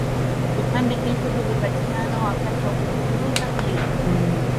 vipande hivyo vilipatikana wakati wa kupunguza jiwe